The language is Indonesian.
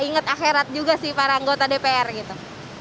ingat akhirat juga sih para anggota dpr gitu